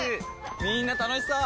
みんな楽しそう！